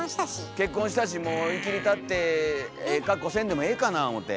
結婚したしもういきりたってええかっこせんでもええかな思て。